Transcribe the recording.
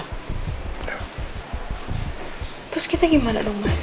terus kita gimana dong mas